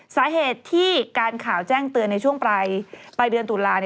สาเหตุที่การข่าวแจ้งเตือนในช่วงปลายเดือนตุลา